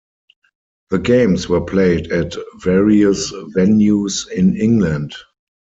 The games were played at various venues in England.